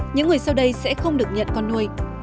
những người sau đây sẽ không được nhận con nuôi